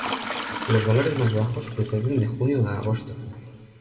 Los valores más bajos suceden de junio a agosto.